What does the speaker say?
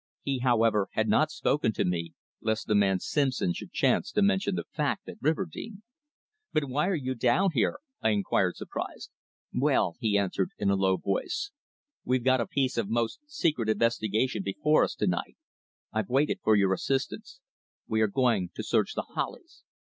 He, however, had not spoken to me, lest the man Simpson should chance to mention the fact at Riverdene. "But why are you down here?" I inquired surprised. "Well," he answered in a low voice, "we've got a piece of most secret investigation before us to night. I've waited for your assistance. We are going to search The Hollies."